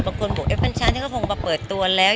บางคนบอกเอ๊ะเป็นฉันที่ก็พร้อมมาเปิดตัวแล้ว